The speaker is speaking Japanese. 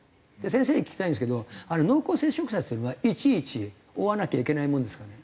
先生に聞きたいんですけど濃厚接触者っていうのはいちいち追わなきゃいけないものですかね？